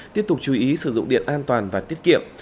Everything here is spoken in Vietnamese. tiếp tục chú ý sử dụng điện an toàn và tiết kiệm